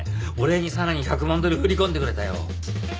お礼にさらに１００万ドル振り込んでくれたよ。